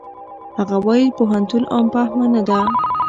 هغه وايي پوهنتون عام فهمه نه ده.